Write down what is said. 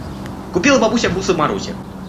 Купила бабуся бусы Марусе.